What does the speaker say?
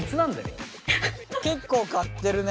結構買ってるね。